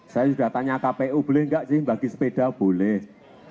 saya sudah tanya kpu boleh nggak sih bagi sepeda boleh